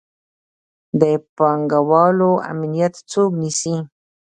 د پانګوالو امنیت څوک نیسي؟